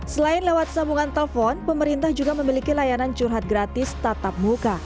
selain lewat sambungan telepon pemerintah juga memiliki layanan curhat gratis tatap muka